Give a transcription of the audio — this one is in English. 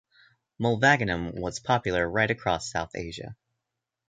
Mylvaganam was popular right across South Asia.